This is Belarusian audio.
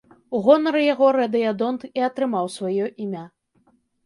У гонар яго радыядонт і атрымаў сваё імя.